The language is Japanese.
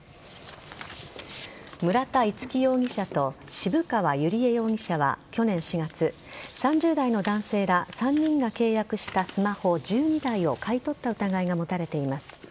村田樹容疑者と渋川友里恵容疑者は、去年４月３０代の男性ら３人が契約したスマホ１２台を買い取った疑いが持たれています。